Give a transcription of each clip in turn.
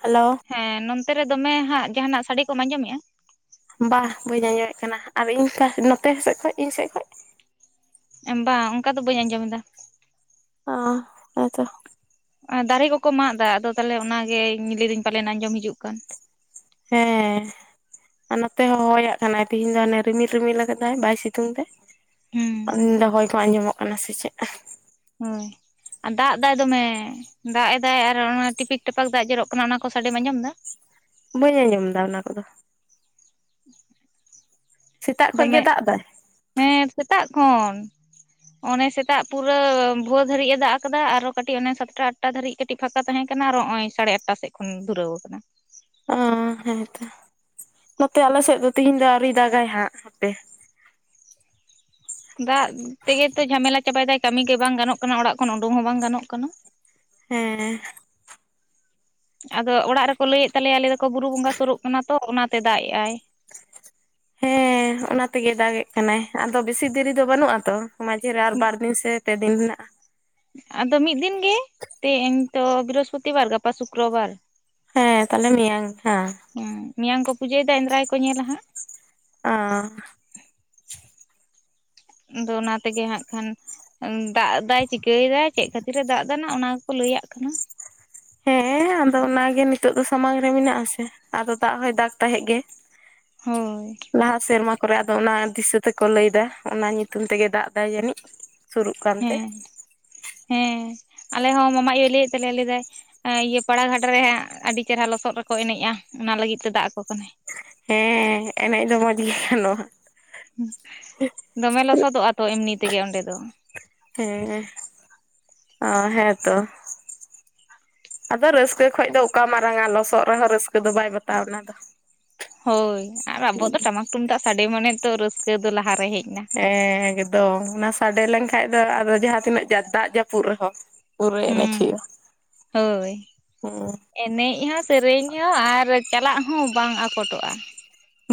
Hello ᱦᱮᱸ ᱱᱚᱱᱚᱛᱮ ᱨᱮ ᱫᱚᱢᱮ ᱦᱟᱸᱜ ᱡᱟᱦᱱᱟᱜ ᱥᱟᱹᱲ ᱠᱚᱢ ᱟᱸᱡᱚᱢᱮᱜᱼᱟ? ᱵᱟ ᱵᱟᱹᱧ ᱟᱸᱡᱚᱢᱮᱫ ᱠᱟᱱᱟ ᱟᱨ ᱤᱧ ᱱᱚᱛᱮ ᱥᱮᱫ ᱠᱷᱚᱡ ᱤᱧ ᱥᱮᱫ ᱠᱷᱚᱡ? ᱵᱟᱝ ᱚᱱᱠᱟ ᱫᱚ ᱵᱟᱹᱧ ᱟᱸᱡᱚᱢ ᱮᱫᱟ᱾ ᱚ ᱟᱪᱪᱟ᱾ ᱫᱟᱨᱮ ᱠᱚᱠᱚ ᱢᱟᱜ ᱮᱫᱟ ᱟᱫᱚ ᱛᱟᱦᱚᱞᱮ ᱚᱱᱟᱜᱮ ᱞᱟᱹᱭᱫᱟᱹᱧ ᱯᱟᱞᱮᱱ ᱟᱸᱡᱚᱢ ᱦᱤᱡᱩᱜ ᱠᱟᱱ᱾ ᱦᱮᱸ ᱟᱨ ᱱᱚᱛᱮ ᱦᱚᱸ ᱦᱚᱦᱚᱭᱟᱜ ᱠᱟᱱᱟᱭ ᱛᱮᱤᱦᱤᱧ ᱫᱚ ᱦᱟᱱᱮ ᱨᱤᱢᱤᱞᱼᱨᱤᱢᱤᱞ ᱟᱠᱟᱫᱟᱭ ᱵᱟᱭ ᱥᱤᱛᱩᱝ ᱫᱟᱭ᱾ ᱦᱩᱸ ᱫᱚᱦᱚᱭ ᱠᱚ ᱟᱸᱡᱚᱢᱚᱜ ᱠᱟᱱᱟ ᱥᱮ ᱪᱮᱫ? ᱦᱳᱭ ᱟᱨ ᱫᱟᱜ ᱮᱫ ᱫᱚᱢᱮ ᱫᱟᱜ ᱮᱫᱟᱭ ᱟᱨ ᱚᱱᱟ ᱴᱤᱯᱤᱠ-ᱴᱟᱯᱟᱠ ᱫᱟᱜ ᱡᱚᱨᱚᱜ ᱠᱟᱱᱟ ᱚᱱᱟ ᱠᱚ ᱥᱟᱰᱮᱢ ᱟᱸᱡᱚᱢ ᱮᱫᱟ᱾ ᱵᱟᱹᱧ ᱟᱸᱡᱚᱢ ᱮᱫᱟ ᱚᱱᱟ ᱠᱚᱫᱚ᱾ ᱥᱮᱛᱟᱜ ᱠᱷᱚᱡ ᱜᱮ ᱫᱚᱢᱮ? ᱫᱟᱜ ᱮᱫᱟᱭ ᱦᱮᱸ ᱥᱮᱛᱟᱜ ᱠᱷᱚᱱ᱾ ᱚᱱᱮ ᱥᱮᱛᱟᱜ ᱯᱩᱨᱟᱹ ᱵᱷᱳᱟᱹ ᱫᱷᱟᱹᱨᱤᱡ ᱮ ᱫᱟᱜ ᱟᱠᱟᱫᱟ ᱟᱨᱚ ᱠᱟᱹᱴᱤᱡ ᱚᱱᱮ ᱥᱟᱛᱴᱟ- ᱟᱴᱴᱟ ᱫᱟᱹᱨᱤᱡ ᱠᱟᱹᱴᱤᱡ ᱯᱷᱟᱸᱠᱟ ᱛᱟᱦᱮᱸ ᱠᱟᱱᱟ᱾ ᱠᱟᱱᱟ ᱟᱨ ᱱᱚᱜ ᱚᱚᱭ ᱥᱟᱲᱮ ᱟᱴᱴᱟ ᱥᱮᱫ ᱠᱷᱚᱱ ᱫᱷᱩᱨᱟᱹᱣ ᱟᱠᱟᱱᱟ᱾ ᱚ ᱦᱮᱸᱛᱚ᱾ ᱱᱚᱛᱮ ᱟᱞᱮ ᱥᱮᱫ ᱫᱚ ᱛᱮᱦᱤᱧ ᱫᱚ ᱟᱹᱣᱨᱨᱤ ᱫᱟᱜᱟᱭ ᱦᱟᱸᱜ ᱦᱟᱯᱮ᱾ ᱫᱟᱜ ᱛᱮᱜᱮ ᱛᱚ ᱡᱷᱟᱢᱮᱞᱟ ᱪᱟᱵᱟᱭᱮᱫᱟᱭ ᱠᱟᱹᱢᱤ ᱜᱮ ᱵᱟᱝ ᱜᱟᱱᱚᱜ ᱠᱟᱱᱟ ᱚᱲᱟᱜ ᱠᱷᱚᱱ ᱩᱰᱩᱝ ᱦᱚᱸ ᱵᱟᱝ ᱜᱟᱱᱚᱜ ᱠᱟᱱᱟ᱾ ᱦᱮᱸ! ᱟᱫᱚ ᱚᱲᱟᱜ ᱨᱮᱠᱚ ᱞᱟᱹᱭᱮᱫ ᱛᱟᱞᱮᱭᱟ ᱟᱞᱮ ᱫᱚᱠᱚ ᱵᱩᱨᱩ ᱵᱚᱸᱜᱟ ᱥᱩᱨᱩᱜ ᱠᱟᱱᱟ ᱛᱚ ᱚᱱᱟ ᱛᱮ ᱫᱟᱜ ᱮ ᱟᱭ᱾ ᱦᱮᱸ ᱚᱱᱟ ᱛᱮᱜᱮᱭ ᱫᱟᱜ ᱮᱫ ᱠᱟᱱᱟᱭ ᱟᱫᱚ ᱵᱮᱥᱤ ᱫᱮᱨᱤ ᱫᱚ ᱵᱟᱹᱱᱩᱜᱼᱟ, ᱛᱚ! ᱢᱟᱺᱡᱷᱮ ᱨᱮ ᱟᱨ ᱵᱟᱨ ᱫᱤᱱ ᱥᱮ ᱯᱮ ᱫᱤᱱ ᱦᱮᱱᱟᱜᱼᱟ᱾ ᱟᱫᱚ ᱢᱤᱫ ᱫᱤᱱᱜᱤ ᱛᱮᱦᱧᱮ ᱛᱚ ᱵᱨᱤᱦᱚᱥᱯᱚᱛᱤᱵᱟᱨ ᱜᱟᱯᱟ ᱥᱩᱠᱨᱚᱵᱟᱨ ᱦᱮᱸ ᱛᱟᱦᱞᱮ ᱢᱮᱭᱟᱝ ᱦᱮ ᱦᱮᱸ ᱢᱮᱭᱟᱝ ᱠᱚ ᱯᱩᱡᱟᱹᱭᱮᱫᱟ ᱮᱸᱫᱽᱨᱟᱭ ᱠᱚ ᱧᱮᱞᱟ ᱦᱟᱸᱜ᱾ ᱚᱻ ᱟᱫᱚ ᱚᱱᱟᱛᱮᱜᱮ ᱦᱟᱸᱜ ᱠᱷᱟᱱ ᱫᱟᱜ ᱮ ᱫᱟᱭ ᱪᱤᱠᱟᱹᱭ ᱫᱟ ᱪᱮᱫ ᱠᱷᱟᱹᱛᱤᱨ ᱮ ᱫᱟᱜ ᱮᱟᱱᱟ ᱚᱱᱟᱠᱚ ᱞᱟᱹᱭ ᱨᱮᱭᱟᱜ ᱠᱟᱱᱟ᱾ ᱦᱮᱸ ᱟᱫᱚ ᱚᱱᱟᱜᱮ ᱱᱤᱛᱚᱜ ᱫᱚ ᱥᱟᱢᱟᱝ ᱨᱮ ᱢᱮᱱᱟᱜ ᱟᱥᱮ ᱟᱫᱚ ᱫᱟᱜ ᱦᱚᱭ ᱫᱟᱜᱽ ᱛᱟᱦᱮᱸᱜ ᱜᱮ ᱦᱳᱭ ᱞᱟᱦᱟ ᱥᱮᱨᱢᱟ ᱠᱚᱨᱮ ᱟᱫᱚ ᱚᱱᱟ ᱫᱟᱹ ᱛᱮᱠᱚ ᱞᱟᱹᱭᱫᱟ ᱚᱱᱟ ᱧᱩᱛᱩᱢ ᱛᱮᱜᱮ ᱫᱟᱜ ᱮᱟᱭ ᱡᱟᱹᱱᱤᱡ ᱥᱩᱨᱩᱜ ᱠᱟᱱᱛᱮ ᱦᱮᱸ ᱦᱮᱸ᱾ ᱟᱞᱮᱦᱚᱸ ᱢᱟᱢᱟ ᱟᱭᱳ ᱞᱟᱹᱭᱮᱫ ᱛᱟᱞᱮᱭᱟ ᱞᱟᱹᱭᱟᱭ ᱤᱭᱟᱹ ᱯᱟᱲᱟᱜᱷᱟᱴ ᱨᱮ ᱦᱟᱸᱜ ᱟᱹᱰᱤ ᱪᱮᱨᱦᱟ ᱞᱚᱥᱚᱫ ᱨᱮᱠᱚ ᱮᱱᱮᱡᱼᱟ᱾ ᱚᱱᱟ ᱞᱟᱹᱜᱤᱫ ᱛᱮ ᱫᱟᱜ ᱟᱠᱚ ᱠᱟᱱᱟᱭ᱾ ᱦᱮᱸ ᱮᱱᱮᱡ ᱫᱚ ᱢᱚᱡᱽ ᱜᱮ ᱱᱚᱣᱟ᱾ ᱫᱚᱢᱮ ᱞᱚᱥᱚᱫᱚᱜᱼᱟ ᱛᱚ ᱮᱢᱱᱤ ᱛᱮᱜᱮ ᱚᱸᱰᱮ ᱫᱚ᱾ ᱟᱨ ᱛᱚ ᱟᱫᱚ ᱨᱟᱹᱥᱠᱟᱹ ᱠᱷᱚᱱ ᱫᱚ ᱚᱠᱟ ᱢᱟᱨᱟᱝ ᱟ ᱞᱚᱥᱚᱫ ᱨᱮᱦᱚᱸ ᱨᱟᱹᱥᱠᱟᱹ ᱫᱚ ᱵᱟᱭ ᱵᱟᱛᱟᱣᱟ ᱚᱱᱟ ᱫᱚ᱾ ᱦᱳᱭ ᱟᱨ ᱟᱵᱚ ᱫᱚ ᱴᱟᱢᱟᱠ ᱛᱩᱢᱫᱟᱜ ᱥᱟᱰᱮ ᱢᱟᱱᱮ ᱛᱚ ᱨᱟᱹᱥᱠᱟᱹ ᱫᱚ ᱞᱟᱦᱟ ᱦᱮᱸ ᱮᱠᱫᱚᱢ ᱚᱱᱟ ᱥᱟᱰᱮ ᱞᱮᱱᱠᱷᱟᱱ ᱫᱚ ᱟᱫᱚ ᱡᱟᱦᱟᱸ ᱛᱤᱱᱟᱹᱜ ᱫᱟᱜ ᱡᱟᱹᱯᱩᱫ ᱨᱮᱦᱚᱸ ᱯᱩᱨᱟᱹ ᱦᱩᱸ ᱮᱱᱮᱡ ᱦᱩᱭᱩᱜᱼᱟ ᱦᱳᱭ ᱦᱮᱸ ᱮᱱᱮᱡ ᱦᱚᱸ ᱥᱮᱨᱮᱧ ᱦᱚᱸ ᱟᱨ ᱪᱟᱞᱟᱜ ᱦᱚᱸ ᱵᱟᱝ ᱟᱠᱚᱴᱚᱜᱼᱟ᱾ [unintelligible]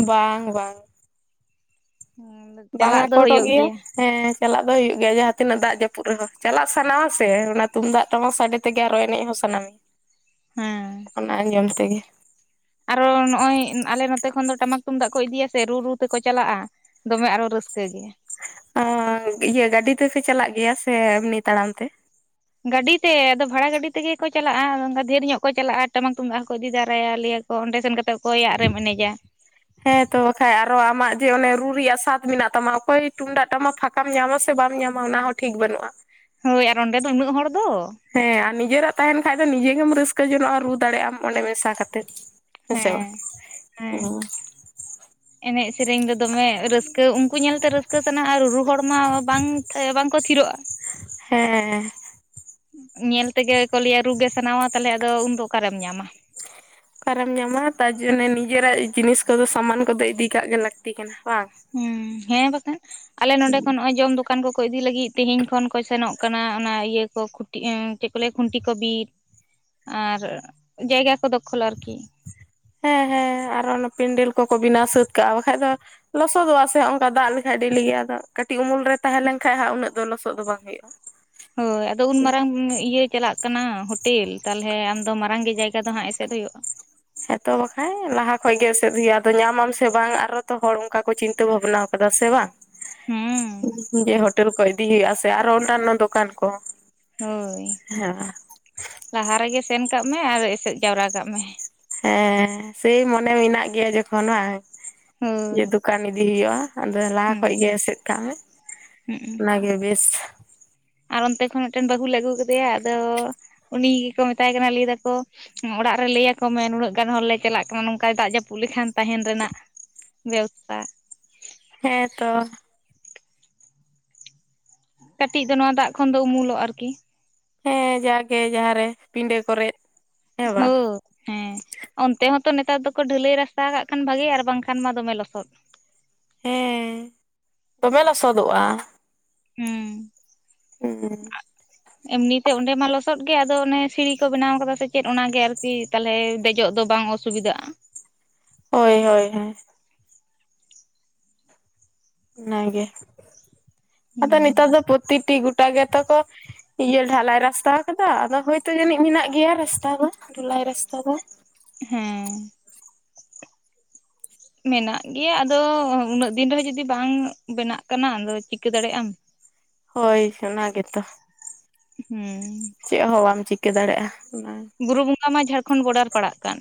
ᱵᱟᱝ ᱵᱟᱝ ᱵᱟᱝᱟ ᱪᱟᱞᱟᱜ ᱫᱚ ᱟᱠᱚᱴᱚᱜ ᱦᱩᱭᱩᱜ ᱜᱮᱭᱟ ᱦᱮᱸ ᱪᱟᱞᱟᱜ ᱫᱚ ᱦᱩᱭᱩᱜ ᱜᱮᱭᱟ ᱡᱟᱦᱟᱸ ᱛᱤᱱᱟᱹᱜ ᱫᱟᱜ ᱡᱟᱹᱯᱩ ᱨᱮᱦᱚᱸ ᱪᱟᱞᱟᱜ ᱥᱟᱱᱟ ᱟ ᱥᱮ ᱚᱱᱟ ᱛᱩᱢᱫᱟᱜ ᱴᱟᱢᱟ ᱥᱟᱰᱮ ᱛᱮᱜᱮ ᱟᱨᱦᱚ ᱮᱱᱮᱡ ᱦᱚᱸ ᱥᱟᱱᱟᱢ ᱚᱱᱟ ᱟᱸᱡᱚᱢ ᱛᱮᱜᱮ ᱟᱨᱦᱚ ᱱᱚᱜᱼᱚᱭ ᱟᱞᱮ ᱱᱚᱛᱮ ᱠᱷᱚᱱ ᱫᱚ ᱴᱟᱢᱟᱠ ᱛᱩᱢᱫᱟᱜ ᱠᱚ ᱤᱫᱤᱭᱟ ᱥᱮ ᱨᱩ ᱨᱩ ᱛᱮᱠᱚ ᱪᱟᱞᱟᱜᱼᱟ ᱫᱚᱢᱮ ᱟᱨᱦᱚ ᱨᱟᱹ [inaudible] ᱨᱟᱹᱥᱠᱟᱹ ᱜᱮ ᱟ ᱤᱭᱟᱹ ᱜᱟᱹᱰᱤ ᱛᱮᱯᱮ ᱪᱟᱞᱟᱜ ᱜᱮᱭᱟ ᱥᱮ ᱮᱢᱱᱤ ᱛᱟᱲᱟᱢ ᱛᱮ ᱜᱟᱹᱰᱤ ᱛᱮ ᱟᱫᱚ ᱵᱷᱟᱲᱟ ᱜᱟᱹᱰᱤ ᱛᱮᱜᱮ ᱠᱚ ᱪᱟᱞᱟᱜᱼᱟ ᱟᱫᱚ ᱰᱷᱮᱨ ᱧᱚᱜ ᱠᱚ ᱪᱟᱞᱟᱜᱼᱟ ᱴᱟᱢᱟᱠ ᱛᱩᱢᱫᱟᱜ ᱦᱚᱠᱚ ᱤᱫᱤ ᱛᱟᱨᱟᱭᱟ ᱞᱮᱭᱟ ᱠᱚ ᱚᱸᱰᱮ ᱥᱮᱱ ᱠᱟᱛᱮ ᱚᱠᱚᱭᱟᱜ ᱨᱮᱢ ᱮᱱᱮᱡᱟ ᱦᱮᱸᱛᱚ ᱵᱟᱠᱷᱟᱡ ᱟᱨᱦᱚ ᱟᱢᱟᱜ ᱡᱮ ᱚᱱᱮ ᱨᱩ ᱨᱮᱭᱟᱜ ᱥᱟᱫ ᱢᱮᱱᱟᱜ ᱛᱟᱢᱟ ᱚᱠᱚᱭ ᱛᱩᱢᱫᱟᱜ ᱴᱟᱢᱟᱠ ᱯᱷᱟᱸᱠᱟᱢ ᱧᱟᱢᱟ ᱥᱮ ᱵᱟᱢ ᱧᱟᱢᱟ ᱚᱱᱟ ᱦᱚᱸ ᱴᱷᱤᱠ ᱵᱟᱹᱱᱩᱜᱼᱟ᱾ ᱦᱳᱭ ᱟᱨ ᱚᱸᱰᱮ ᱫᱚ ᱩᱱᱟᱹᱜ ᱦᱚᱲ ᱫᱚ ᱦᱮᱸ ᱟᱨ ᱱᱤᱡᱮᱨᱟᱜ ᱛᱟᱦᱮᱱ ᱠᱷᱟᱡ ᱫᱚ ᱱᱤᱡᱮ ᱜᱮᱢ ᱨᱟᱹᱥᱠᱟᱹ ᱡᱚᱱᱚᱜᱼᱟ ᱨᱩ ᱫᱟᱲᱮᱭᱟᱜᱼᱟᱢ ᱚᱸᱰᱮ ᱢᱮᱥᱟ ᱠᱟᱛᱮᱫ᱾ ᱦᱮᱸᱥᱮ ᱵᱟᱝ ᱦᱮᱸ ᱦᱮᱸ ᱦᱩᱸ᱾ ᱮᱱᱮᱡ ᱥᱮᱨᱮᱧ ᱫᱚ ᱫᱚᱢᱮ ᱨᱟᱹᱥᱠᱟᱹ ᱩᱱᱠᱩ ᱧᱮᱞᱛᱮ ᱨᱟᱹᱥᱠᱟᱹ ᱥᱟᱱᱟ ᱟᱨ ᱨᱩ ᱦᱚᱲ ᱢᱟ ᱵᱟᱝ ᱵᱟᱝᱠᱚ ᱛᱷᱤᱨ ᱩᱜᱼᱟ᱾ ᱦᱮᱸ᱾ ᱧᱮᱞ ᱛᱮᱜᱮ ᱠᱚ ᱞᱟᱹᱭᱟ ᱨᱩᱜᱮ ᱥᱟᱱᱟᱣᱟ ᱛᱟᱦᱚᱞᱮ ᱟᱫᱚ ᱩᱱᱫᱚ ᱚᱠᱟᱨᱮᱢ ᱧᱟᱢᱟ ᱚᱠᱟᱨᱮᱢ ᱧᱟᱢᱟ ᱛᱟᱨ ᱡᱚᱱᱱᱮ ᱱᱤᱡᱮᱨᱟᱜ ᱡᱤᱱᱤᱥ ᱠᱚᱫᱚ ᱥᱟᱢᱟᱱ ᱠᱚᱫᱚ ᱤᱫᱤ ᱠᱟᱜ ᱜᱮ ᱞᱟᱹᱠᱛᱤ ᱠᱟᱱᱟ᱾ ᱵᱟᱝ ᱦᱩᱸ ᱦᱮᱸ ᱵᱟᱠᱷᱟᱱ ᱟᱞᱮ ᱱᱚᱸᱰᱮ ᱠᱷᱚᱱ ᱱᱚᱜᱼᱚᱭ ᱡᱚᱢ ᱫᱚᱠ [inaudible] ᱫᱚᱠᱟᱱ ᱠᱚᱠᱚ ᱤᱫᱤ ᱞᱟᱹᱜᱤᱫ ᱛᱮᱦᱮᱧ ᱠᱷᱚᱱ ᱠᱚ ᱥᱮᱱᱚᱜ ᱠᱟᱱᱟ ᱚᱱᱟ ᱤᱭᱟᱹ ᱠᱚ ᱠᱩᱴᱤ ᱪᱮᱫ ᱠᱚ ᱞᱟᱹᱭᱟ ᱠᱷᱩᱱᱴᱤ ᱠᱚ ᱵᱤᱫ᱾ ᱟᱨ ᱡᱟᱭᱜᱟ ᱠᱚᱫᱚ ᱦᱮᱸ ᱦᱮᱸ ᱟᱨᱚ ᱚᱱᱟ ᱯᱤᱱᱰᱮᱞ ᱠᱚ ᱠᱚ ᱵᱮᱱᱟᱣ ᱥᱟᱹᱛ ᱠᱟᱜᱼᱟ ᱵᱟᱠᱷᱟᱡ ᱫᱚ ᱞᱚᱥᱚᱫᱚᱜᱼᱟ ᱥᱮ ᱱᱚᱝᱠᱟᱭ ᱫᱟᱜ ᱞᱮᱠᱷᱟᱡ ᱰᱮᱞᱤ ᱜᱮᱭᱟ ᱟᱫᱚ ᱠᱟᱹᱴᱤᱡ ᱩᱢᱩᱞ ᱨᱮ ᱛᱟᱦᱮᱸ [unintelligible] ᱢᱮᱱᱠᱷᱟᱱ ᱦᱟᱸᱜ ᱩᱱᱟᱹᱜ ᱫᱚ ᱞᱚᱥᱚᱫ ᱫᱚ ᱵᱟᱝ ᱦᱩᱭᱩᱜᱼᱟ᱾ ᱦᱳᱭ ᱟᱫᱚ ᱩᱱ ᱢᱟᱨᱟᱝ ᱤᱭᱟᱹ ᱪᱟᱞᱟᱜ ᱠᱟᱱᱟ ᱦᱳᱴᱮᱞ ᱛᱟᱦᱚᱞᱮ ᱟᱢ ᱫᱚ ᱢᱟᱨᱟᱝ ᱜᱮ ᱡᱟᱭᱜᱟ ᱫᱚ ᱦᱟᱸᱜ ᱮᱥᱮᱫ ᱦᱩᱭᱩᱜᱼᱟ ᱦᱮᱸᱛᱚ ᱵᱟᱠᱷᱟᱡ ᱞᱟᱦᱟ ᱠᱷᱚᱭ ᱜᱮ ᱮᱥᱮᱫ ᱦᱩᱭᱩᱜᱼᱟ ᱟᱫᱚ ᱧᱟᱢᱟᱢ ᱥᱮ ᱵᱟᱝ ᱟᱨ ᱛᱚ ᱦᱚᱲ ᱚᱱᱠᱟ ᱠᱚ ᱪᱤᱱᱛᱟᱹ ᱵᱷᱟᱵᱱᱟ ᱠᱟᱣᱫᱟ ᱥᱮ ᱵᱟᱝ ᱦᱩᱸ ᱡᱮ ᱦᱳᱴᱮᱞ ᱠᱚ ᱤᱫᱤ ᱦᱩᱭᱩᱜᱼᱟ ᱥᱮ ᱟᱨᱦᱚ ᱚᱱᱱᱟᱱᱱᱚ ᱫᱚᱠᱟᱱ ᱠᱚ᱾ ᱦᱳᱭ ᱦᱮᱸ ᱞᱟᱦᱟ ᱨᱮᱜᱮ ᱥᱮᱱ ᱠᱟᱜ ᱢᱮ ᱟᱨ ᱮᱥᱮᱫ ᱡᱟᱣᱨᱟ ᱠᱟᱜ ᱢᱮ᱾ ᱦᱮᱸ ᱥᱮᱭ ᱢᱚᱱᱮ ᱢᱮᱱᱟᱜ ᱜᱮᱭᱟ ᱡᱚᱠᱷᱚᱱ ᱵᱟᱝ᱾ ᱡᱮ ᱦᱳᱭ ᱫᱚᱠᱟᱱ ᱤᱫᱤ ᱦᱩᱭᱩᱜᱼᱟ ᱟᱫᱚ ᱞᱟᱦᱟ ᱦᱩᱸ ᱠᱷᱚᱡ ᱜᱮ ᱮᱥᱮᱫ ᱠᱟᱜ ᱢᱮ ᱦᱩᱸ ᱚᱱᱟᱜᱮ ᱵᱮᱥ᱾ ᱟᱨ ᱚᱱᱛᱮ ᱠᱷᱚᱱ ᱢᱤᱫᱴᱮᱱ ᱵᱟᱹᱦᱩ ᱞᱮ ᱟᱹᱜᱩ ᱠᱮᱫᱮᱭᱟ ᱟᱫᱚ ᱩᱱᱤ ᱜᱮᱠᱚ ᱢᱮᱛᱟᱭ ᱠᱟᱱᱟ ᱞᱟᱹᱭ ᱫᱟᱠᱚ ᱚᱲᱟᱜ ᱨᱮ ᱞᱟᱹᱭᱭᱟᱠᱚ ᱢᱮ ᱱᱩᱱᱟᱹᱜ ᱜᱟᱱ ᱦᱚᱲᱞᱮ ᱪᱟᱞᱟᱜ ᱠᱟᱱᱟ ᱱᱚᱝᱠᱟᱭ ᱫᱟᱜ ᱡᱟᱹᱯᱩᱫ ᱞᱮᱠᱷᱟᱱ ᱛᱟᱦᱮᱱ ᱨᱮᱱᱟᱜ ᱵᱮᱵᱚᱥᱛᱟ ᱦᱮᱸ ᱛᱚ ᱠᱟᱹᱴᱤᱡ ᱫᱚ ᱱᱚᱣᱟ ᱫᱟᱜ ᱠᱷᱚᱱ ᱫᱚ ᱩᱢᱩᱞᱚᱜ ᱟᱨᱠᱤ ᱦᱮᱸ ᱡᱟᱜᱮ ᱡᱟᱦᱟᱸ ᱨᱮ ᱯᱤᱸᱰᱟᱹ ᱠᱚᱨᱮ ᱦᱳ ᱦᱮᱸ ᱚᱱᱛᱮ ᱦᱚᱸᱛᱚ ᱱᱮᱛᱟᱨ ᱫᱚᱠᱚ ᱰᱷᱟᱹᱞᱟᱹᱭ ᱨᱟᱥᱛᱟ ᱠᱟᱜ ᱠᱷᱟᱱ ᱵᱷᱟᱜᱮ ᱟᱨ ᱵᱟᱝᱠᱷᱟᱱ ᱢᱟ ᱫᱚᱢᱮ ᱞᱚᱥᱚᱫ ᱦᱮᱸ ᱫᱚᱢᱮ ᱞᱚᱥᱚᱫᱚᱜᱼᱟ᱾ ᱦᱩᱸ ᱦᱩᱸ ᱮᱢᱱᱤᱛᱮ ᱚᱸᱰᱮ ᱢᱟ ᱞᱚᱥᱚᱫ ᱜᱮ ᱟᱫᱚ ᱚᱱᱮ ᱥᱤᱲᱤ ᱠᱚ ᱵᱮᱱᱟᱣ ᱠᱟᱫᱟ ᱥᱮ ᱪᱮᱫ ᱚᱱᱟᱜᱮ ᱟᱨᱠᱤ ᱛᱟᱦᱚᱞᱮ ᱫᱮᱡᱚᱜ ᱫᱚ ᱫᱚ ᱵᱟᱝ ᱚᱥᱩᱵᱤᱫᱷᱟᱜᱼᱟ᱾ ᱦᱳᱭ ᱦᱳᱭ ᱦᱳᱭ ᱱᱟᱭᱜᱮ ᱦᱩᱸ ᱟᱫᱚ ᱱᱤᱛᱚᱜ ᱫᱚ ᱯᱚᱛᱤ ᱴᱤ ᱜᱩ ᱜᱚᱴᱟ ᱜᱮᱛᱚ ᱠᱚ ᱤᱭᱟᱹ ᱰᱷᱟᱞᱟᱭ ᱨᱟᱥᱛᱟ ᱟᱠᱟᱫᱟ ᱟᱫᱚ ᱦᱚᱭᱛᱳ ᱡᱟᱹᱱᱤᱡ ᱢᱮᱱᱟᱜ ᱜᱮᱭᱟ ᱨᱟᱥᱛᱟ ᱫᱚ ᱨᱟᱥᱛᱟ ᱫᱚ ᱦᱮᱸ ᱢᱮᱱᱟᱜ ᱜᱮᱭᱟ ᱟᱫᱚ ᱩᱱᱟᱹᱜ ᱫᱤᱱ ᱨᱮᱦᱚᱸ ᱡᱚᱫᱤ ᱵᱟᱝ ᱵᱮᱱᱟᱜ ᱠᱟᱱᱟ ᱛᱚ ᱪᱤᱠᱟᱹ ᱫᱟᱲᱮᱭᱟᱜ ᱟᱢ᱾ ᱦᱳᱭ ᱚᱱᱟ ᱜᱮᱛᱚ ᱦᱮᱸ ᱪᱮᱫ ᱦᱚᱸ ᱵᱟᱢ ᱪᱤᱠᱟᱹ ᱫᱟᱲᱮᱭᱟᱜᱼᱟ᱾ ᱵᱩᱨᱩ ᱵᱚᱸᱜᱟ ᱢᱟ ᱡᱷᱟᱲᱠᱷᱚᱱᱰ ᱵᱚᱰᱟᱨ ᱯᱟᱲᱟᱜ ᱠᱟᱱ᱾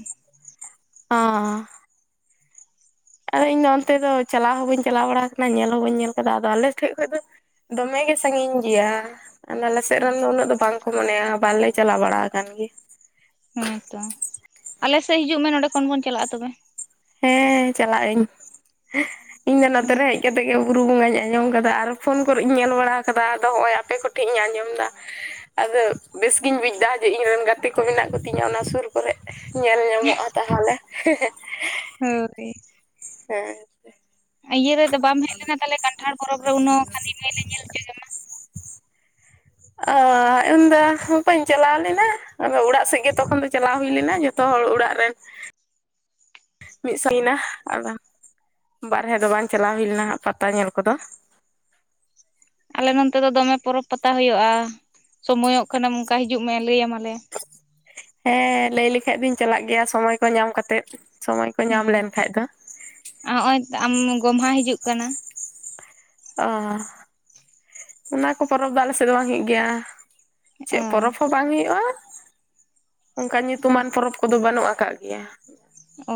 ᱚᱸ ᱟᱫᱚ ᱤᱧᱫᱚ ᱚᱱᱛᱮ ᱫᱚ ᱪᱟᱞᱟᱣ ᱦᱚᱸ ᱵᱟᱹᱧ ᱪᱟᱞᱟᱣ ᱵᱟᱲᱟ ᱠᱟᱱᱟ ᱧᱮᱞ ᱦᱚᱸ ᱵᱟᱹᱧ ᱧᱮᱞ ᱠᱟᱫᱟ ᱟᱫᱚ ᱟᱞᱮ ᱴᱷᱮᱡ ᱠᱷᱚᱱ ᱫᱚ ᱫᱚᱢᱮᱮ ᱥᱟᱺᱜᱤᱧ ᱜᱮᱭᱟ ᱟᱞᱮᱥᱮᱫ ᱨᱮᱱ ᱫᱚ ᱩᱱᱟᱹᱜ ᱫᱚ ᱵᱟᱝᱠᱚ ᱢᱚᱱᱮᱭᱟ ᱵᱟᱞᱮ ᱪᱟᱞᱟᱣ ᱵᱟᱲᱟ ᱟᱠᱟᱱᱟ᱾ [unintelligible] ᱜᱮ ᱦᱮᱸᱛᱚ ᱟᱞᱮᱥᱮᱫ ᱦᱤᱡᱩᱜ ᱢᱮ ᱱᱚᱰᱮ ᱠᱷᱚᱱ ᱵᱚᱱ ᱪᱟᱞᱟᱜᱼᱟ ᱛᱚᱵᱮ᱾ ᱦᱮᱸ ᱪᱟᱞᱟᱜ ᱟᱹᱧ ᱤᱧ ᱫᱚ ᱱᱚᱛᱮ ᱦᱩᱸ ᱨᱮ ᱦᱮᱡ ᱠᱟᱛᱮ ᱜᱮ ᱵᱩᱨᱩ ᱵᱚᱸᱜᱟᱧ ᱟᱸᱡᱚᱢ ᱠᱟᱫᱟ ᱟᱨ ᱯᱷᱳᱱ ᱠᱚᱨᱮᱜ ᱤᱧ ᱧᱮᱞ ᱵᱟᱲᱟ ᱠᱟᱫᱟ ᱟᱫᱚ ᱱᱚᱜᱚᱭ ᱟᱯᱮ ᱠᱚᱴᱷᱮᱱ ᱤᱧ ᱟᱸᱡᱚᱢᱫᱟ ᱟᱫᱚ ᱵᱮᱥ ᱜᱤᱧ ᱵᱩᱡᱫᱟ ᱡᱮ ᱤᱧ ᱨᱮᱱ ᱜᱟᱛᱮ ᱠᱚ ᱢᱮᱱᱟᱜ ᱠᱚᱛᱤᱧᱟ ᱚᱱᱟ ᱥᱩᱨ ᱠᱚᱨᱮᱜ᱾ ᱧᱮᱞ ᱧᱟᱢᱚᱜᱼᱟ ᱛᱟᱦᱚᱞᱮ [unintelligible] ᱦᱳ ᱦᱮᱸ ᱤᱭᱟᱹ ᱨᱮᱫᱚ ᱵᱟᱢ ᱦᱮᱡ ᱞᱮᱱᱟ ᱛᱟᱦᱞᱮ ᱠᱟᱱᱴᱷᱟᱲ ᱯᱚᱨᱚᱵᱽ ᱨᱮ ᱩᱱᱟᱹᱜ [unintelligible] ᱢᱟᱹᱭᱞ ᱞᱮ ᱧᱮᱞ ᱦᱚᱪᱚ ᱠᱮᱢᱟ ᱚ ᱤᱧᱫᱚ ᱵᱟᱹᱧ ᱪᱟᱞᱟᱣ ᱞᱮᱱᱟ ᱟᱫᱚ ᱚᱲᱟᱜ ᱥᱮᱫ ᱜᱮ ᱛᱚᱠᱷᱚᱱ ᱫᱚ ᱪᱟᱞᱟᱣ ᱦᱩᱭ ᱞᱮᱱᱟ ᱡᱚᱛᱚ ᱦᱚᱲ ᱚᱲᱟᱜ ᱨᱮᱱ ᱢᱤᱫ [unintelligible] ᱦᱩᱭ ᱮᱱᱟ ᱵᱟᱨᱦᱮ ᱫᱚ ᱵᱟᱝ ᱪᱟᱞᱟᱣ ᱦᱩᱭ ᱞᱮᱱᱟᱜ ᱯᱟᱛᱟ ᱧᱮᱞ ᱠᱚᱫᱚ ᱟᱞᱮ ᱱᱚᱱᱛᱮ ᱫᱚ ᱫᱚᱢᱮ ᱯᱚᱨᱚᱵᱽ ᱯᱟᱛᱟ ᱦᱩᱭᱩᱜᱼᱟ᱾ ᱥᱚᱢᱚᱭᱚᱜ ᱠᱟᱱᱟᱢ ᱚᱱᱠᱟ ᱦᱤᱡᱩᱜ ᱢᱮ ᱞᱟᱹᱭ ᱟᱢᱟᱞᱮ ᱦᱮᱸ ᱞᱟᱹᱭ ᱞᱮᱠᱷᱟᱡ ᱫᱚᱧ ᱪᱟᱞᱟᱜ ᱜᱮᱭᱟ ᱥᱚᱢᱚᱭ ᱠᱚ ᱧᱟᱢ ᱠᱟᱛᱮᱜ᱾ ᱦᱮᱸ [unintelligible] ᱛᱚ ᱟᱢ ᱜᱚᱢᱦᱟ ᱦᱤᱡᱩᱜ ᱠᱟᱱᱟ᱾ ᱚ ᱚᱱᱟ ᱠᱚ ᱯᱚᱨᱚᱵᱽ ᱫᱚ ᱟᱞᱮ ᱥᱮᱫ ᱫᱚ ᱵᱟᱝ ᱦᱩᱭᱩᱜ ᱜᱮᱭᱟ᱾ ᱪᱮᱫ ᱚ ᱯᱚᱨᱚᱵᱽ ᱦᱚᱸ ᱵᱟᱝ ᱦᱩᱭᱩᱜᱼᱟ᱾ ᱚᱱᱠᱟᱱ ᱧᱩᱛᱩᱢᱟᱱ ᱯᱚᱨᱚᱵᱽ ᱠᱚᱫᱚ ᱵᱟᱹᱱᱩᱜ ᱟᱠᱟᱫ ᱜᱮᱭᱟ᱾ ᱚ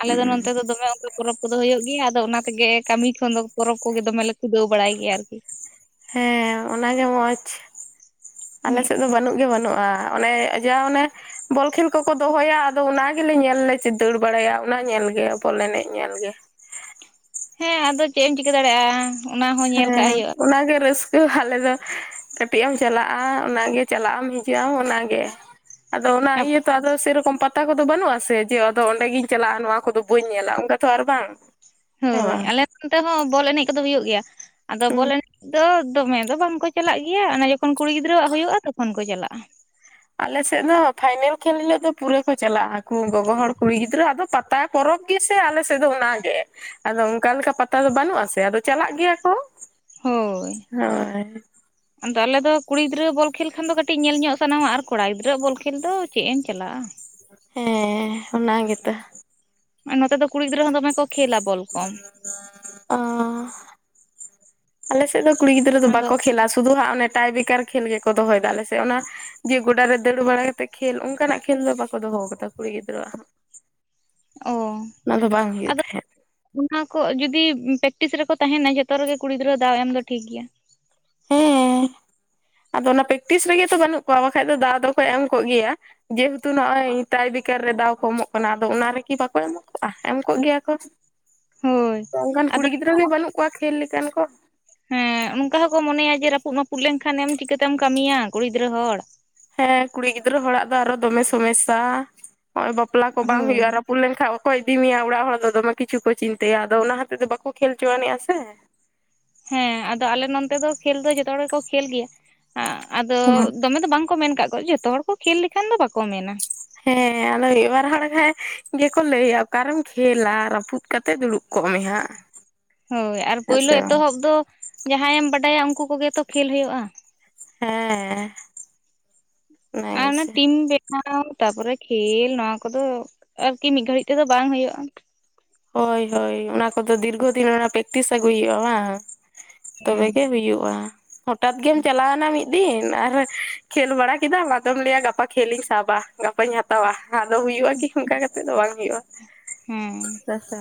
ᱟᱞᱮ ᱫᱚ ᱱᱚᱛᱮ ᱫᱚ ᱫᱚᱢᱮ ᱚᱱᱠᱟ ᱯᱚᱨᱚᱵᱽ ᱠᱚᱫᱚ ᱦᱩᱭᱩᱜ ᱜᱮᱭᱟ ᱟᱫᱚ ᱚᱱᱟ ᱛᱮᱜᱮ ᱠᱟᱹᱢᱤ ᱠᱷᱚᱱ ᱫᱚ ᱯᱚᱨᱚᱵᱽ ᱠᱚᱜᱮ ᱫᱚᱢᱮ ᱞᱮ ᱠᱩᱫᱟᱹᱣ ᱵᱟᱲᱟᱭ ᱜᱮᱭᱟ ᱟᱨᱠᱤ ᱦᱮᱸ ᱚᱱᱟᱜᱮ ᱢᱚᱸᱡᱽ ᱦᱩᱸ ᱟᱞᱮᱥᱮᱫ ᱫᱚ ᱵᱟᱹᱱᱩᱜ ᱜᱮ ᱵᱟᱹᱱᱩᱜᱼᱟ᱾ ᱚᱱᱮ ᱡᱟ ᱚᱱᱮ ᱵᱚᱞ ᱠᱷᱮᱞ ᱠᱚᱠᱚ ᱫᱚᱦᱚᱭᱟ ᱟᱫᱚ ᱚᱱᱟ ᱜᱮᱞᱮ ᱧᱮᱞ ᱞᱮ ᱫᱟᱹᱲ ᱵᱟᱲᱟᱭᱟ ᱚᱱᱟ ᱧᱮᱞ ᱜᱮ ᱵᱚᱞ ᱮᱱᱮᱡ ᱧᱮᱞ ᱜᱮ᱾ ᱦᱮᱸ ᱟᱫᱚ ᱪᱮᱫ ᱮᱢ ᱪᱤᱠᱟᱹ ᱫᱟᱲᱮᱭᱟᱜᱼᱟ᱾ ᱚᱱᱟ ᱦᱚᱸ ᱧᱮᱞ ᱠᱟᱜ ᱦᱮᱸ ᱦᱩᱭᱩᱜᱼᱟ ᱚᱱᱟᱜᱮ ᱨᱟᱹᱥᱠᱟᱹ ᱟᱞᱮ ᱫᱚ ᱠᱟᱹᱴᱤᱡ ᱮᱢ ᱪᱟᱞᱟᱜᱼᱟ ᱚᱱᱟᱜᱮ ᱪᱟᱞᱟᱜ ᱟᱢ ᱦᱤᱡᱩᱜ ᱟᱢ ᱚᱱᱟᱜᱮ ᱟᱫᱚ ᱚᱱᱟ ᱚ ᱟᱫᱚ ᱥᱮ ᱨᱚᱠᱚᱢ ᱯᱟᱛᱟ ᱠᱚᱫᱚ ᱵᱟᱹᱱᱩᱜ ᱟᱥᱮ ᱡᱮ ᱟᱫᱚ ᱚᱸᱰᱮ ᱜᱤᱧ ᱪᱟᱞᱟᱜᱼᱟ ᱱᱚᱣᱟ ᱠᱚᱫᱚ ᱵᱟᱹᱧ ᱧᱮᱞᱟ ᱚᱱᱠᱟ ᱛᱚ ᱟᱨ ᱵᱟᱝ ᱦᱮᱸ ᱦᱳᱭ ᱵᱟᱝ ᱟᱞᱮ ᱱᱚᱱᱛᱮ ᱦᱚᱸ ᱵᱚᱞ ᱮᱱᱮᱡ ᱠᱚᱫᱚ ᱦᱩᱭᱩᱜ ᱜᱮᱭᱟ ᱟᱫᱚ ᱦᱩᱸ ᱵᱚᱞ ᱮᱱᱮᱡ ᱫᱚ ᱫᱚᱢᱮ ᱫᱚ ᱵᱟᱝᱠᱚ ᱪᱟᱞᱟᱜ ᱜᱮᱭᱟ ᱡᱚᱠᱷᱚᱱ ᱠᱩᱲᱤ ᱜᱤᱫᱽᱨᱟᱹᱣᱟᱜ ᱦᱩᱭᱩᱜᱼᱟ ᱛᱚᱠᱷᱚᱱ ᱠᱚ ᱪᱟᱞᱟᱜᱼᱟ᱾ ᱟᱞᱮ ᱥᱮᱫ ᱫᱚ ᱯᱷᱟᱭᱱᱮᱞ ᱠᱷᱮᱞ ᱦᱤᱞᱳᱜ ᱫᱚ ᱯᱩᱨᱟᱹ ᱠᱚ ᱪᱟᱞᱟᱜᱼᱟ ᱜᱚᱜᱚ ᱦᱚᱲ ᱠᱩᱲᱤ ᱜᱤᱫᱽᱨᱟᱹ ᱟᱫᱚ ᱯᱟᱛᱟ ᱠᱚ ᱯᱚᱨᱚᱵᱽ ᱯᱚᱨᱚᱵᱽ ᱜᱮᱥᱮ ᱟᱞᱮ ᱥᱮᱫ ᱫᱚ ᱚᱱᱟᱜ ᱜᱮ ᱟᱫᱚ ᱚᱱᱠᱟ ᱞᱮᱠᱟ ᱯᱟᱛᱟ ᱫᱚ ᱵᱟᱹᱱᱩᱜ ᱟᱥᱮ ᱟᱫᱚ ᱪᱟᱞᱟᱜ ᱜᱮᱭᱟ ᱠᱚ ᱦᱳᱭ! ᱦᱳᱭ ᱟᱫᱚ ᱟᱞᱮ ᱫᱚ ᱠᱩᱲᱤ ᱜᱤᱫᱽᱨᱟᱹ ᱵᱚᱞ ᱠᱷᱮᱞ ᱠᱷᱟᱱ ᱫᱚ ᱠᱟᱹᱴᱤᱡ ᱧᱮᱞ ᱧᱚᱜ ᱥᱟᱱᱟᱣᱟ ᱟᱨ ᱠᱚᱲᱟ ᱜᱤᱫᱽᱨᱟᱹᱣᱟᱜ ᱵᱚᱞ ᱠᱷᱮᱞ ᱫᱚ ᱪᱮᱫ ᱮᱢ ᱪᱟᱞᱟᱜᱼᱟ᱾ ᱦᱮᱸ ᱚᱱᱟ ᱜᱮᱛᱚ᱾ ᱱᱚᱛᱮ ᱫᱚ ᱠᱩᱲᱤ ᱜᱤᱫᱽᱨᱟᱹ ᱫᱚᱢᱮ ᱠᱚ ᱠᱷᱮᱞᱟ ᱵᱚᱞ ᱠᱚ ᱚ ᱟᱞᱮ ᱥᱮᱫ ᱮᱫ ᱫᱚ ᱠᱩᱲᱤ ᱜᱤᱫᱽᱟᱹ ᱫᱚ ᱟᱫᱚ ᱵᱟᱠᱚ ᱠᱷᱮᱞᱟ ᱥᱩᱫᱷᱩ ᱦᱟᱜ ᱚᱱᱮ ᱴᱟᱭ ᱵᱮᱠᱟᱨ ᱠᱷᱮᱞ ᱜᱮᱠᱚ ᱫᱚᱦᱚᱭᱮᱫᱟ ᱟᱞᱮ ᱥᱮ ᱚᱱᱟ ᱡᱮ ᱜᱚᱰᱟ ᱨᱮ ᱫᱟᱹᱲ ᱵᱟᱲᱟ ᱠᱟᱛᱮ ᱠᱷᱮᱞ ᱚᱱᱠᱟᱱᱟᱜ ᱠᱷᱮᱞ ᱫᱚ ᱵᱟᱠᱚ ᱫᱚᱦᱚᱭᱫᱟ᱾ ᱦᱜᱚᱛ ᱠᱩᱲᱤ ᱜᱤᱫᱽᱨᱟᱹ ᱚ ᱚᱱᱟ ᱫᱚ ᱵᱟᱝ ᱟᱫᱚ ᱦᱩᱭᱩᱜ ᱛᱟᱦᱮᱸᱜ ᱚᱱᱟ ᱠᱚ ᱡᱩᱫᱤ ᱯᱮᱠᱴᱤᱥ ᱨᱮᱠᱚ ᱛᱟᱦᱮᱸᱱᱟ ᱡᱷᱚᱛᱚ ᱨᱮᱜᱮ ᱠᱩᱲᱤ ᱜᱤᱫᱽᱨᱟᱹ ᱫᱟᱣ ᱮᱢ ᱫᱚ ᱴᱷᱤᱠ ᱜᱮᱭᱟ᱾ ᱦᱮᱸ ᱟᱫᱚ ᱚᱱᱟ ᱯᱨᱮᱠᱴᱤᱥ ᱨᱮᱜᱮ ᱛᱚ ᱵᱟᱹᱱᱩᱜ ᱠᱚᱣᱟ ᱵᱟᱠᱷᱟᱡ ᱫᱚ ᱫᱟᱜ ᱫᱚᱠᱚ ᱮᱢ ᱠᱚᱜ ᱜᱮᱭᱟ᱾ ᱡᱮᱦᱮᱛᱩ ᱱᱚᱜᱼᱚᱭ ᱢᱮ ᱛᱟᱭ ᱫᱤᱱ ᱯᱟᱹᱭᱠᱟᱹᱨ ᱨᱮ ᱫᱟᱣ ᱠᱚ ᱮᱢᱚᱜ ᱠᱟᱱᱟ ᱟᱫᱚ ᱚᱱᱟ ᱨᱮᱜᱤ ᱵᱟᱠᱚ ᱮᱢᱚᱜ ᱠᱚᱜᱼᱟ? ᱮᱢ ᱠᱚᱜ ᱜᱮᱭᱟ ᱠᱚ ᱦᱳᱭ ᱮᱠᱷᱟᱱ ᱠᱩᱲᱤ ᱟᱫᱚ ᱜᱤᱫᱽᱨᱟᱹ ᱜᱮ ᱵᱟᱹᱱᱩᱜ ᱠᱚᱣᱟ ᱠᱷᱮᱞ ᱞᱮᱠᱟᱱ ᱠᱚ ᱦᱮᱸ! ᱚᱱᱠᱟ ᱦᱚᱸᱠᱚ ᱢᱚᱱᱮᱭᱟ ᱡᱮ ᱨᱟᱹᱯᱩᱫ ᱨᱟᱹᱯᱩᱫ ᱞᱮᱱᱠᱷᱟᱱ ᱪᱤᱠᱟᱹᱛᱮᱢ ᱠᱟᱹᱢᱤᱭᱟ ᱠᱩᱲᱤ ᱜᱤᱫᱽᱨᱟᱹ ᱦᱚᱲ ᱦᱮᱸ ᱠᱩᱲᱤ ᱜᱤᱫᱽᱨᱟᱹ ᱦᱚᱲᱟᱜ ᱫᱚ ᱟᱨᱚ ᱫᱚᱢᱮ ᱥᱚᱢᱚᱥᱥᱟ ᱱᱚᱜᱭ ᱵᱟᱯᱞᱟ ᱠᱚ ᱵᱟᱝ ᱦᱳᱭ ᱦᱩᱭᱩᱜᱼᱟ᱾ ᱨᱟᱹᱯᱩᱫ ᱞᱮᱱᱠᱷᱟᱡ ᱠᱚ ᱤᱫᱤ ᱢᱮᱭᱟ ᱚᱲᱟᱜ ᱦᱚᱲ ᱫᱚ ᱫᱚᱢᱮ ᱠᱤᱪᱷᱩ ᱠᱚ ᱪᱤᱱᱛᱟᱹᱭᱟ ᱟᱫᱚ ᱚᱱᱟ ᱦᱚᱛᱮᱫ ᱫᱚ ᱵᱟᱠᱚ ᱠᱷᱮᱞ ᱦᱚᱪᱚᱣᱟᱱᱤᱡᱼᱟ ᱥᱮ ᱦᱮᱸ ᱟᱫᱚ ᱟᱞᱮ ᱱᱚᱱᱛᱮ ᱫᱚ ᱠᱷᱮᱞ ᱫᱚ ᱡᱚᱛᱚ ᱦᱚᱲ ᱜᱮᱠᱚ ᱠᱷᱮᱞ ᱜᱮᱭᱟ ᱟᱫᱚ ᱫᱚᱢᱮ ᱫᱚ ᱵᱟᱝ ᱢᱮᱱ ᱟᱠᱟᱫ ᱠᱚᱣᱟ ᱡᱚᱛᱚ ᱦᱚᱲ ᱠᱚ ᱠᱷᱮᱞ ᱞᱮᱠᱷᱟᱱ ᱫᱚ ᱵᱟᱠᱚ ᱢᱮᱱᱟ ᱦᱮᱸ ᱟᱞᱚ ᱮᱵᱟᱨ ᱦᱚᱲ ᱠᱷᱟᱭ ᱜᱮᱠᱚ ᱞᱟᱹᱭᱟ ᱚᱠᱟᱨᱮᱢ ᱠᱷᱮᱞᱟ ᱨᱟᱹᱯᱩᱫ ᱠᱟᱛᱮᱮᱫ ᱫᱩᱲᱩᱵ ᱠᱚᱜ ᱢᱮ ᱦᱟᱸᱜ᱾ ᱦᱳᱭ ᱟᱨ ᱦᱮᱸ ᱯᱳᱭᱞᱩ ᱥᱮ ᱵᱟᱝ ᱮᱛᱚᱦᱚᱵ ᱫᱚ ᱡᱟᱦᱟᱸᱭᱮᱢ ᱵᱟᱰᱟᱭᱟ ᱩᱱᱠᱩ ᱠᱚᱜᱮᱛᱚ ᱠᱷᱮᱞ ᱦᱩᱭᱩᱜᱼᱟ᱾ ᱦᱮᱸ ᱟᱨ ᱚᱱᱟ ᱴᱤᱢ ᱵᱮ ᱛᱟᱨᱯᱚᱨᱮ ᱠᱷᱮᱞ ᱱᱚᱣᱟ ᱠᱚᱫᱚ ᱟᱨᱠᱤ ᱢᱤᱫ ᱜᱷᱟᱹᱲᱤᱡ ᱛᱮᱫᱚ ᱵᱟᱝ ᱦᱩᱭᱩᱜᱼᱟ᱾ ᱦᱳᱭ ᱦᱳᱭ ᱚᱱᱟ ᱠᱚᱫᱚ ᱫᱤᱨᱜᱷᱚᱫᱤᱱ ᱚᱱᱟ ᱯᱮᱠᱴᱤᱥ ᱟᱹᱜᱩᱭ ᱦᱩᱭᱩᱜᱼᱟ ᱵᱟᱝ ᱦᱮᱸ ᱛᱚᱵᱮᱜ ᱜᱮ ᱦᱩᱭᱩᱜᱼᱟ᱾ ᱦᱚᱴᱟᱛ ᱜᱮᱢ ᱪᱟᱞᱟᱣᱮᱱᱟ ᱢᱤᱫ ᱫᱤᱱ ᱟᱨ ᱠᱷᱮᱞ ᱵᱟᱲᱟ ᱠᱮᱫᱟᱢ ᱟᱫᱚᱢ ᱞᱟᱹᱭᱟ ᱜᱟᱯᱟ ᱠᱷᱹᱮᱞ ᱤᱧ ᱥᱟᱵᱟ ᱜᱟᱯᱟᱧ ᱦᱟᱛᱟᱣᱟ ᱟᱫᱚ ᱦᱩᱭᱩᱜᱼᱟ ᱠᱤ? ᱚᱱᱠᱟ ᱠᱟᱛᱮᱜ ᱫᱚ ᱵᱟᱝ ᱦᱩᱭᱩᱜᱼᱟ᱾ ᱦᱮᱸ ᱥᱟᱥᱟ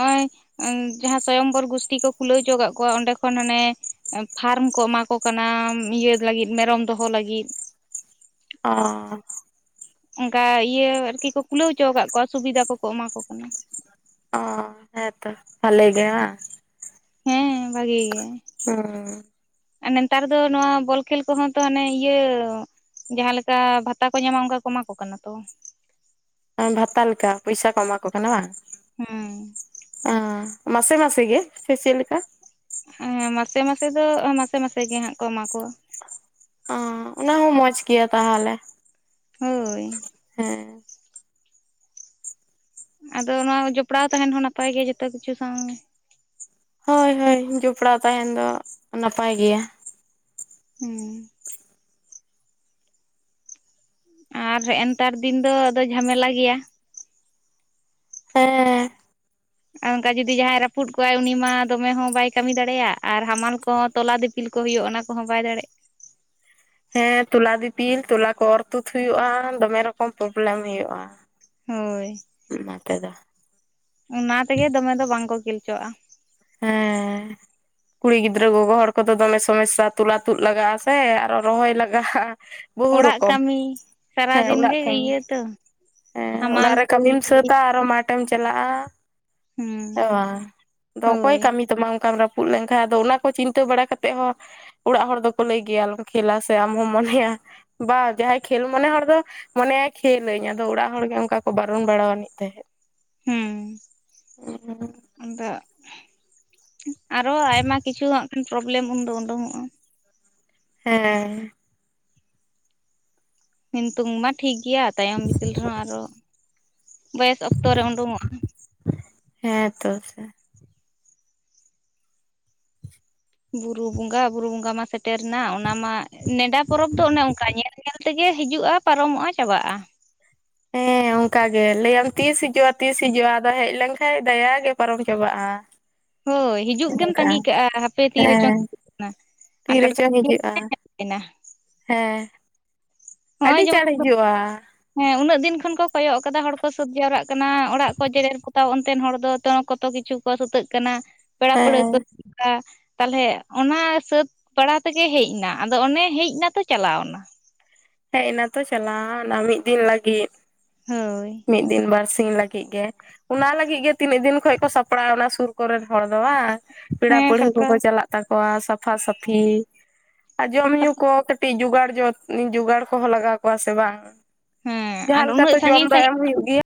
ᱱᱚᱜ ᱚ ᱡᱟᱦᱟᱸ ᱥᱚᱭᱚᱝᱵᱚᱨ ᱜᱥᱴᱤ ᱠᱚ ᱠᱷᱩᱞᱟᱹᱣ ᱦᱚᱪᱚ ᱠᱫ ᱠᱚᱣᱟ ᱚᱸᱰᱮ ᱠᱷᱚᱱ ᱦᱟᱱᱮ ᱯᱷᱟᱨᱢ ᱠᱚ ᱮᱢᱟ ᱠᱚ ᱠᱟᱱᱟ ᱤᱭᱟᱹ ᱞᱟᱹᱜᱤᱫ ᱢᱮᱨᱚᱢ ᱫᱚᱦᱚ ᱞᱟᱹᱜᱤᱫ ᱚ ᱚᱱᱠᱟ ᱤᱭᱟᱹ ᱟᱨᱠᱤ ᱠᱚ ᱠᱩᱞᱟᱹᱣ ᱦᱚᱪᱚ ᱟᱠᱟᱫ ᱠᱚᱣᱟ ᱥᱩᱵᱤᱫᱷᱟ ᱠᱚᱠᱚ ᱮᱢᱟ ᱠᱚ ᱠᱟᱱᱟ᱾ ᱚ ᱦᱮᱸᱛᱚ ᱵᱷᱟᱞᱤᱮ ᱜᱮ ᱵᱟᱝᱸ᱾ ᱦᱮᱸ ᱵᱷᱟᱜᱤ ᱜᱮᱭᱟ᱾ ᱦᱚ ᱟᱨ ᱱᱮᱛᱟᱨ ᱫᱚ ᱱᱚᱣᱟ ᱵᱚᱞ ᱠᱷᱮᱞ ᱠᱚᱦᱚᱸ ᱛᱟᱱᱮ ᱤᱭᱟᱹ ᱡᱟᱸᱦᱮ ᱞᱮᱠᱟ ᱵᱷᱟᱛᱟ ᱠᱚ ᱧᱟᱢᱟ ᱚᱱᱠᱟ ᱠᱚ ᱮᱢᱟ ᱠᱚ ᱠᱟᱱᱟ ᱛᱚ ᱵᱷᱟᱛᱟ ᱞᱮᱠᱟ ᱯᱚᱭᱥᱟ ᱠᱚ ᱮᱢᱟ ᱠᱚ ᱠᱟᱱᱟ ᱵᱟᱝ ᱦᱮᱸ ᱢᱟᱥᱮ ᱢᱟᱥ ᱜᱮ ᱥᱮ ᱪᱮ ᱞᱮᱠᱟ ᱦᱮᱸ ᱢᱟᱥᱮ ᱢᱟᱥᱮ ᱫᱚ ᱢᱟᱥᱮ ᱢᱟᱥᱮ ᱜᱮ ᱦᱜ ᱠᱚ ᱮᱢᱟ ᱠᱚᱣᱟ᱾ ᱚ ᱚᱱᱟ ᱦᱚᱸ ᱢᱚᱸᱡᱽ ᱜᱮᱭᱟ ᱛᱟᱦᱚᱞᱮ ᱦᱳᱭ ᱦᱮᱸ ᱟᱫᱚ ᱚᱱᱟ ᱡᱚᱯᱲᱟᱣ ᱛᱟᱦᱮᱸᱱ ᱦᱚᱸ ᱱᱟᱯᱟᱭ ᱜᱮᱭᱟ ᱡᱚᱛᱚ ᱠᱤᱪᱷᱩ ᱥᱟᱶᱜᱮ ᱦᱳᱭ ᱦᱳᱭ ᱡᱚᱯᱲᱟᱣ ᱛᱟᱦᱮᱸᱱ ᱫᱚ ᱱᱟᱯᱟᱭ ᱜᱮᱭᱟ᱾ ᱦᱮᱸ ᱟᱨ ᱱᱮᱛᱟᱨ ᱫᱤᱱ ᱫᱚ ᱟ ᱡᱷᱟᱢᱮᱞᱟ ᱜᱮᱭᱟ᱾ ᱦᱮᱸ ᱟᱨ ᱚᱱᱠᱟ ᱡᱩᱫᱤ ᱡᱟᱦᱟᱸᱭ ᱨᱟᱹᱯᱩᱫ ᱠᱚᱣᱟᱭ ᱩᱱᱤ ᱢᱟ ᱫᱚᱢᱮ ᱦᱚᱸ ᱵᱟᱭ ᱠᱟᱹᱢᱤ ᱫᱟᱲᱮᱭᱟᱜᱼᱟ ᱟᱨ ᱦᱟᱢᱟᱞ ᱠᱚᱦᱚᱸ ᱛᱚᱞᱟ ᱫᱤᱯᱤᱞ ᱠᱚ ᱦᱩᱭᱩᱜᱼᱟ ᱚᱱᱟ ᱠᱚᱦ ᱵᱟᱭ ᱫᱟᱲᱮᱜᱼᱟ᱾ [inaudible] ᱦᱮᱸ ᱛᱚᱞᱟ ᱫᱤᱯᱤᱞ ᱛᱚᱞᱟ ᱠᱚ ᱚᱨ ᱛᱩᱫ ᱦᱩᱭᱩᱜᱼᱟ, ᱫᱚᱢᱮ ᱨᱚᱠᱚᱢ ᱯᱨᱚᱵᱞᱮᱢ ᱦᱩᱭᱩᱜᱼᱟ᱾ ᱦᱳᱭ ᱢᱟ ᱛᱮᱫᱚ ᱚᱱᱟ ᱛᱮᱜᱮ ᱫᱚᱢᱮ ᱫᱚ ᱵᱟᱝᱠᱚ ᱠᱷᱤᱞᱪᱚᱜᱼᱟ᱾ ᱦᱮᱸ ᱠᱩᱲᱤ ᱜᱤᱫᱽᱨᱟᱹ ᱜᱚᱜᱚ ᱦᱚᱲ ᱠᱚᱫᱚ ᱫᱚᱢᱮ ᱥᱚᱢᱚᱥᱥᱟ ᱛᱩᱞᱟ ᱛᱩᱫ ᱞᱟᱜᱟᱜᱼᱟ ᱥᱮ ᱟᱨᱚ ᱨᱚᱦᱚᱭ ᱞᱟᱜᱟᱜᱼᱟ᱾ ᱵᱚᱦᱩ ᱚᱲᱟᱜ ᱨᱚᱠᱚᱢ ᱠᱟᱹᱢᱤ ᱦᱮᱸ ᱥᱟᱨᱟᱫᱤᱱ ᱚᱲᱟᱜ ᱜᱮ ᱠᱷᱚᱱ ᱤᱭᱟᱹ ᱛᱚ ᱦᱮᱸ ᱦᱟᱢᱟᱞ ᱚᱲᱟᱜ ᱨᱮ ᱛᱩᱞ ᱠᱟᱹᱢᱤᱢ ᱥᱟᱹᱛ ᱟᱨᱚ ᱢᱟᱴᱷᱮ ᱮᱢ ᱪᱟᱞᱟᱜᱼᱟ᱾ ᱦᱩᱸ ᱟᱫᱚ ᱚᱠᱚᱭ ᱦᱳᱭ ᱠᱟᱹᱢᱤ ᱛᱟᱢᱟ ᱚᱱᱠᱟ ᱨᱟᱯᱩ ᱨᱟᱹᱯᱩᱫ ᱞᱮᱱ ᱠᱷᱟᱱᱡ ᱟᱫᱚ ᱚᱱᱟ ᱠᱚ ᱪᱤᱱᱛᱟᱹ ᱵᱟᱲᱟ ᱠᱟᱛᱮᱫ ᱦᱚᱸ ᱚᱲᱟᱜ ᱦᱚᱲ ᱫᱚᱠᱚ ᱞᱟᱹᱭ ᱜᱮᱭᱟ ᱟᱞᱚᱢ ᱠᱷᱮᱞᱟ ᱥᱮ ᱟᱢ ᱦᱚᱢ ᱢᱚᱱᱮᱭᱟ ᱵᱟᱝ ᱡᱟᱦᱟᱸᱭ ᱠᱷᱮᱞ ᱢᱚᱱᱮ ᱦᱚᱲ ᱫᱚ ᱢᱚᱱᱮᱭᱟᱭ ᱠᱷᱮᱞ ᱟᱹᱧ ᱟᱫᱚ ᱚᱲᱟᱜ ᱦᱚᱲ ᱚᱱᱠᱟ ᱠᱚ ᱵᱟᱨᱚᱱ ᱵᱟᱲᱟᱟᱣ ᱟᱹᱱᱤᱡ [unintelligible] ᱦᱮ᱾ᱸ ᱟᱫᱚ ᱟᱨᱚ ᱟᱭᱢᱟ ᱠᱤᱪᱷᱩ ᱦᱟᱜ ᱠᱷᱟᱱ ᱯᱨᱚᱵᱞᱮᱢ ᱩᱱᱫᱚ ᱩᱰᱩᱠᱚᱜᱼᱟ᱾ ᱦᱮᱸ ᱱᱤᱛᱩᱜ ᱢᱟ ᱴᱷᱤᱠᱜᱮᱭᱟ ᱛᱟᱭᱚᱢ ᱵᱤᱫᱟᱹᱞ ᱨᱮᱦᱚᱸ ᱟᱨᱚ ᱵᱚᱭᱮᱥ ᱚᱠᱛᱚᱨᱮ ᱩᱰᱩᱝᱚᱜᱼᱟ᱾ ᱦᱮᱸ ᱛᱚ ᱥᱮ ᱵᱩᱨᱩ ᱵᱚᱸᱜᱟ ᱵᱩᱨᱩ ᱵᱚᱸᱜᱟ ᱢᱟ ᱥᱮᱴᱮᱨ ᱮᱱᱟ ᱚᱱᱟ ᱢᱟ ᱱᱮᱰᱟ ᱯᱚᱨᱚᱵᱽ ᱫᱚ ᱚᱱᱮ ᱚᱱᱠᱟ ᱧᱮᱞ- ᱧᱮᱞ ᱛᱮᱜᱮ ᱦᱤᱡᱩᱜᱼᱟ, ᱯᱟᱨᱚᱢᱚᱜᱼᱟ, ᱪᱟᱵᱟᱜᱼᱟ᱾ ᱦᱮᱸ ᱦᱮᱸ ᱚᱱᱠᱟ ᱜᱮ ᱞᱟᱹᱭᱟᱢ ᱛᱤᱥ ᱦᱤᱡᱩᱜᱼᱟ, ᱛᱤᱥ ᱦᱤᱡᱩᱜᱼᱟ, ᱟᱫᱚ ᱦᱮᱡ ᱞᱮᱱᱠᱷᱟᱱ ᱫᱟᱭᱟ ᱜᱮ ᱯᱟᱨᱚᱢ ᱪᱟᱵᱟᱜᱼᱟ᱾ ᱦᱳᱭ! ᱦᱤᱡᱩᱜ ᱜᱮᱢ ᱚᱱᱠᱟ ᱛᱟᱸᱜᱤ ᱠᱟᱜᱼᱟ ᱦᱟᱯᱮ ᱛᱤᱨ ᱨᱮᱪᱚᱝ ᱦᱤᱡ ᱠᱟᱱᱟ᱾ ᱛᱤᱨᱮ ᱪᱚ ᱦᱤᱡᱩᱜᱼᱟ! ᱦᱮᱸ ᱱᱚᱜᱼᱚᱭ ᱟᱹᱰᱤ ᱡᱮᱢᱚᱱ ᱪᱟᱬ ᱦᱤᱡᱩᱜᱼᱟ ᱦᱮᱸ ᱩᱱᱟᱹᱜ ᱫᱤᱱ ᱠᱷᱚᱱ ᱠᱚ ᱠᱚᱭᱚᱜ ᱠᱟᱫᱟ ᱦᱚᱲ ᱠᱚ ᱥᱟᱹᱛ ᱡᱟᱣᱨᱟᱜ ᱠᱟᱱᱟ ᱚᱲᱟᱜ ᱠᱚ ᱡᱮᱨᱮᱲ ᱯᱚᱛᱟᱣ ᱚᱱᱛᱮ ᱦᱚᱲ ᱫᱚ ᱠᱚᱛᱚ ᱠᱤᱪᱷᱩ ᱠᱚ ᱥᱩᱛᱟᱹᱜ ᱠᱟᱱᱟ ᱯᱮᱲᱟ ᱯᱟᱹᱲᱦᱟᱹ ᱦᱮᱸ ᱠᱚ ᱛᱟᱦᱞᱮ ᱚᱱᱟ ᱥᱟᱹᱛ ᱵᱟᱲᱟ ᱛᱮᱜᱮ ᱦᱮᱡ ᱮᱱᱟ ᱟᱫᱚ ᱚᱱᱮ ᱦᱮᱡ ᱮᱱᱟᱛᱚ ᱪᱟᱞᱟᱣ ᱮᱱᱟ᱾ ᱦᱮᱸ ᱮᱱᱟ ᱛᱚ ᱪᱟᱞᱟᱣ ᱚᱱᱟ ᱢᱤᱫ ᱫᱤᱱ ᱞᱟᱹᱜᱤᱫ᱾ ᱦᱳᱭ ᱢᱤᱫ ᱫᱤᱱ- ᱵᱟᱨ ᱫᱤᱱ ᱞᱟᱹᱜᱤᱫ ᱜᱮ ᱚᱱᱟ ᱞᱟᱹᱜᱤᱫ ᱜᱮ ᱛᱤᱱᱟᱹᱜ ᱫᱤᱱ ᱠᱷᱚᱱᱚᱡ ᱠᱚ ᱥᱟᱯᱲᱟᱜᱼᱟ᱾ ᱚᱱᱟ ᱥᱩᱨ ᱠᱚᱨᱮᱱ ᱦᱚᱲ ᱫᱚ ᱵᱟᱝ ᱯᱮᱲᱟ ᱦᱮᱸ ᱯᱟᱹᱲᱦᱟᱹ ᱠᱚᱠᱚ ᱥᱟᱯᱲᱟᱣ ᱪᱟᱞᱟᱜ ᱛᱟᱠᱚᱣᱟ ᱥᱟᱯᱷᱟ ᱥᱟᱹᱯᱷᱤ ᱟᱨ ᱡᱚᱢ ᱧᱩ ᱠᱚ ᱠᱟᱹᱴᱤᱡ ᱡᱚᱜᱟᱲ ᱡᱚᱛ ᱡᱚᱜᱟᱲ ᱠᱚᱦᱚᱸ ᱞᱟᱜᱟᱣ ᱠᱚᱣᱟ ᱥᱮ ᱵᱟᱝ ᱦᱮᱸ ᱟᱨ ᱩᱱᱟᱹᱜ ᱡᱟᱦᱟᱸᱞᱮᱠᱟᱛᱚ ᱡᱚᱢ ᱥᱟᱺᱜᱤᱧ ᱥᱟᱺᱜᱤᱧ ᱫᱚ ᱮᱢ ᱦᱩᱭᱩᱜ ᱜᱮᱭᱟ᱾